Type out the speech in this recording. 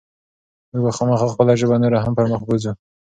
موږ به خامخا خپله ژبه نوره هم پرمخ بوځو.